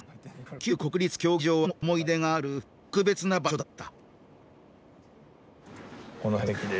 旧国立競技場はたくさんの思い出がある特別な場所だった。